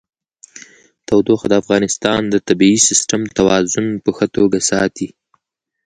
تودوخه د افغانستان د طبعي سیسټم توازن په ښه توګه ساتي.